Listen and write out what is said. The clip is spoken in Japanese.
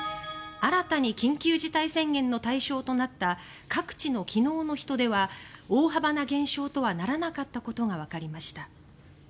新たに緊急事態宣言の対象となった各地の昨日の人出は大幅な減少とはならなかったことがわかりました。